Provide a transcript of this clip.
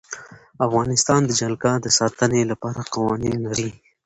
افغانستان د جلګه د ساتنې لپاره قوانین لري.